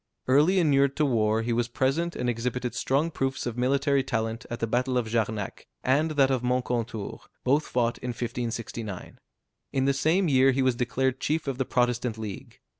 Early inured to war, he was present and exhibited strong proofs of military talent at the battle of Jarnac, and that of Moncontour, both fought in 1569. In the same year he was declared chief of the Protestant League.